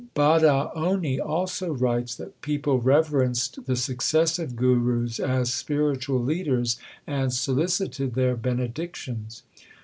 Badaoni also writes that people reverenced the suc cessive Gurus as spiritual leaders, and solicited their benedictions.